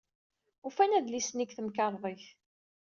Ufan adlis-nni deg temkarḍit.